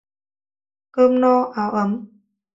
Cơm no, áo ấm